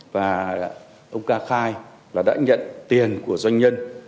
và ông ca khai là đã nhận tiền của doanh nhân